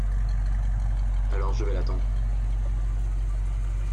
Alors, je vais l’attendre…